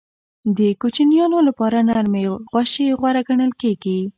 د کوچنیانو لپاره نرمې غوښې غوره ګڼل کېږي.